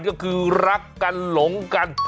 ก็คือรักกันหลงกัน